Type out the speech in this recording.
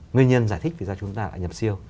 nguyên nhân giải thích vì sao chúng ta lại nhập siêu